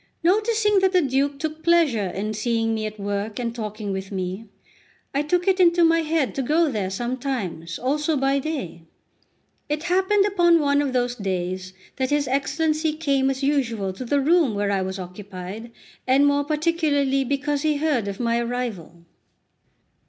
Noticing that the Duke took pleasure in seeing me at work and talking with me, I took it into my head to go there sometimes also by day. It happened upon one of those days that his Excellency came as usual to the room where I was occupied, and more particularly because he heard of my arrival.